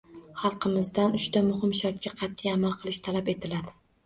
Xalqimizdan uchta muhim shartga qatʼiy amal qilish talab etiladi.